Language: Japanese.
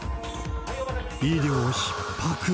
医療ひっ迫。